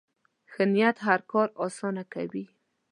ښه نیت هر کار اسانه کوي.